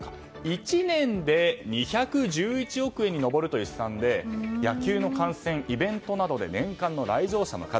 １年で２１１億円に上るという試算で野球の観戦、イベントなどで年間の来場者の数